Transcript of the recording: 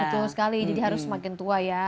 betul sekali jadi harus semakin tua ya